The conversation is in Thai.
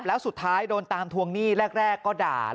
แล้วสุดท้ายโดนตามทวงหนี้แรกก็ด่า